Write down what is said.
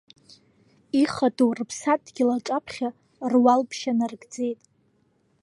Ихадоу рыԥсадгьыл аҿаԥхьа руалԥшьа нарыгӡеит.